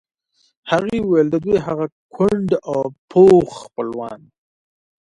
هغې وویل د دوی هغه کونډ او پوخ خپلوان.